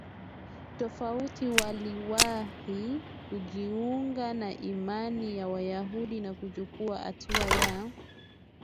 tofauti waliwahi kujiunga na imani ya Wayahudi na kuchukua hatua ya